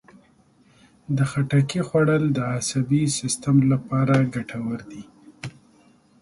د خټکي خوړل د عصبي سیستم لپاره ګټور دي.